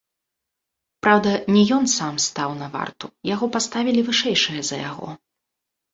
Праўда, не ён сам стаў на варту, яго паставілі вышэйшыя за яго.